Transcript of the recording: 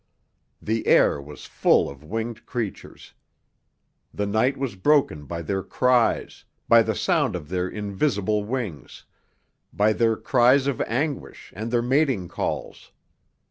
The air was full of winged creatures. The night was broken by their cries, by the sound of their invisible wings, by their cries of anguish and their mating calls.